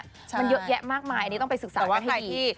มันเยอะแยะมากมายต้องไปศึกษากันให้ดี